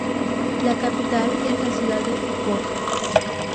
La capital es la ciudad de Fukuoka.